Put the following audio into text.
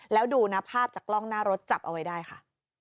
แล้วดูนะภาพจากกล้องหน้ารถจับเอาไว้ได้ค่ะ